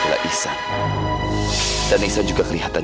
eh amira jalan